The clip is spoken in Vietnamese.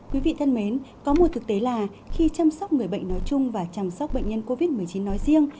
quý vị thân mến có một thực tế là khi chăm sóc người bệnh nói chung và chăm sóc bệnh nhân covid một mươi chín nói riêng